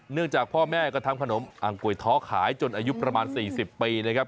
จากพ่อแม่ก็ทำขนมอ่างก๋วยท้อขายจนอายุประมาณ๔๐ปีนะครับ